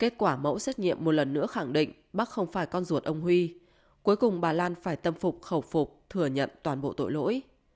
kết quả mẫu xét nghiệm một lần nữa khẳng định bắc không phải con ruột ông huy cuối cùng bà lan phải tâm phục khẩu phục thừa nhận toàn bộ tội lỗi